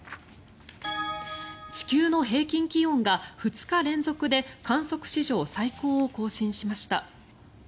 地球の平均気温が２日連続で観測史上最高を更新しました。